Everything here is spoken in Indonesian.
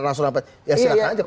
ya silahkan aja proses